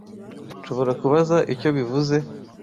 Nshobora kubaza icyo bivuze?